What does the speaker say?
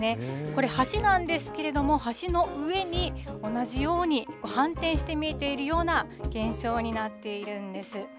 これ、橋なんですけれども、橋の上に同じように反転して見えているような現象になっているんです。